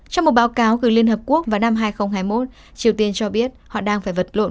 trong một báo cáo gửi liên hợp quốc vào năm hai nghìn hai mươi một triều tiên cho biết họ đang phải vật lộn